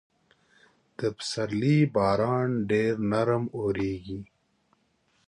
د پسرلي باران ډېر نرم اورېږي.